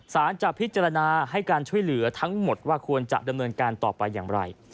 สารจะพิจารณาให้การช่วยเหลือทั้งหมดว่าควรจะดำเนินการต่อไปอย่างไร